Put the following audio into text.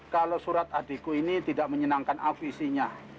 kalau surat adikku ini tidak menyenangkan aku isinya